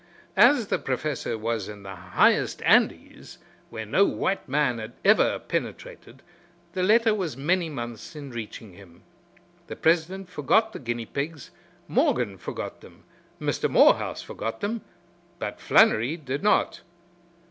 As the Professor was in the highest Andes, where no white man had ever penetrated, the letter was many months in reaching him. The president forgot the guinea pigs, Morgan forgot them, Mr. Morehouse forgot them, but Flannery did not.